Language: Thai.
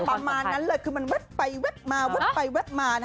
ประมาณนั้นเลยคือเว็บไปเว็บมา